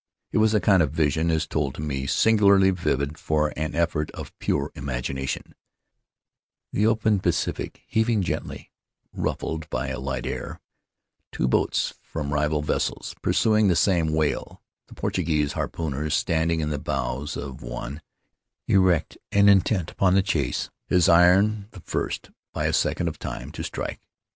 It was a kind of vision, as told to me, singularly vivid for an effort of pure imagination — the open Pacific, heaving gently and ruffled by a light air; two boats from rival vessels pursuing the same whale; the Portuguese harpooner standing in the bows of one, erect and intent upon the chase, his iron the first, by a second of time, to strike.